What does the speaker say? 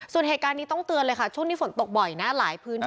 ส่วนเหตุการณ์นี้ต้องเตือนเลยค่ะช่วงนี้ฝนตกบ่อยนะหลายพื้นที่